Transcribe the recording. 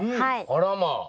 あらまあ。